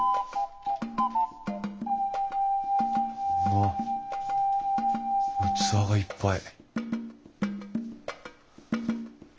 わっ器がいっぱい。